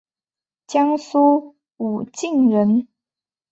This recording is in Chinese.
江苏武进人。